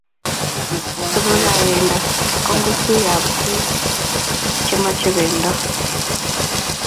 Supukap pendo ko ng'usikap bik che chamei pendo